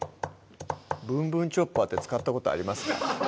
ぶんぶんチョッパーって使ったことありますか？